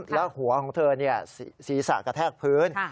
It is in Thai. แล้วหัวของเธอศีรษะกระแทกพื้น